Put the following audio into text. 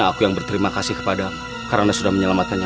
sampai jumpa di video selanjutnya